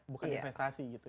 bukan investasi gitu